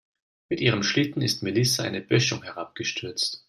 Mit ihrem Schlitten ist Melissa eine Böschung herabgestürzt.